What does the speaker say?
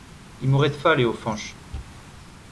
Imoret-fall eo Fañch.